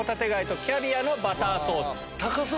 高そう！